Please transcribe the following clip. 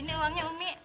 ini uangnya umi